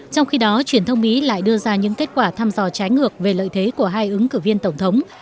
trong khi đó truyền thông mỹ lại đưa ra những kết quả thăm dò trái ngược về lợi thế của hai ứng cử viên tổng thống